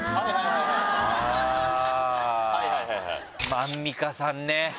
アンミカさんね！